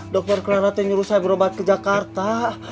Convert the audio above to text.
dr clara itu yang ajak saya berobat ke jakarta